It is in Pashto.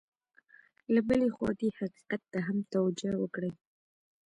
له بلې خوا دې حقیقت ته هم توجه وکړي.